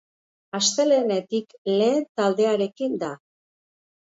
Astelehenetik lehen taldearekin da.